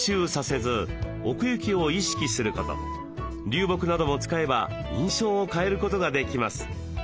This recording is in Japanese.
流木なども使えば印象を変えることができます。